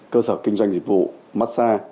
cơ sở kinh doanh dịch vụ mát xa